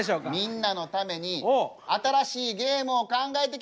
みんなのために新しいゲームを考えてきました。